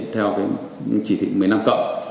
theo chỉ thị một mươi năm cộng